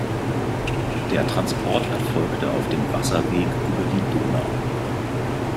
Der Transport erfolgte auf dem Wasserweg über die Donau.